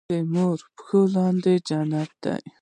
مور د پښو لاندې جنت لري